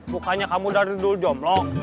bukannya kamu dari dulu jomblok